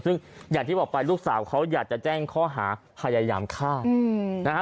ซึ่งอย่างที่บอกไปลูกสาวเขาอยากจะแจ้งข้อหาพยายามฆ่านะฮะ